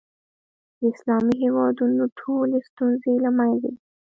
د اسلامي هېوادونو ټولې ستونزې له منځه ځي.